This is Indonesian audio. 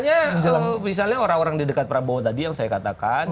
ya kalau misalnya orang orang di dekat prabowo tadi yang saya katakan